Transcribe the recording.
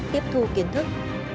tiếp thu kiến thức